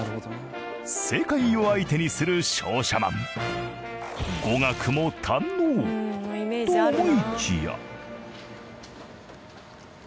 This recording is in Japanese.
世界を相手にする商社マン。と思いきや。